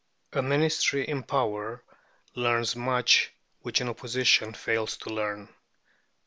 A Ministry in power learns much which an Opposition fails to learn.